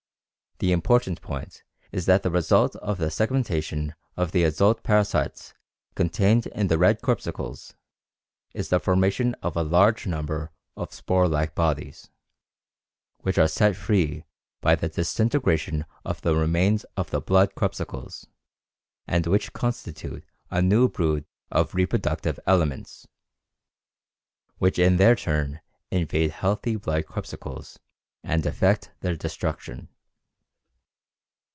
The important point is that the result of the segmentation of the adult parasites contained in the red corpuscles is the formation of a large number of spore like bodies, which are set free by the disintegration of the remains of the blood corpuscles and which constitute a new brood of reproductive elements, which in their turn invade healthy blood corpuscles and effect their destruction.